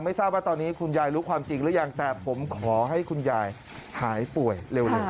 ทราบว่าตอนนี้คุณยายรู้ความจริงหรือยังแต่ผมขอให้คุณยายหายป่วยเร็ว